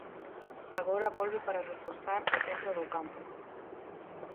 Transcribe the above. Agora volve para reforzar o centro do campo.